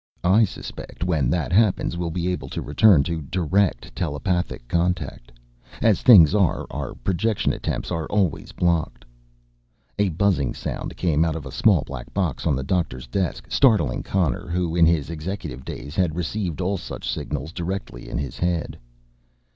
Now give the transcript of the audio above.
I suspect when that happens we'll be able to return to direct telepathic contact. As things are, our projection attempts are always blocked." A buzzing sound came out of a small black box on the doctor's desk, startling Connor who in his executive days had received all such signals directly in his head.